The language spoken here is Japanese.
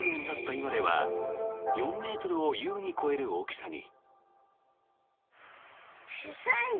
今では４ｍを優に超える大きさに。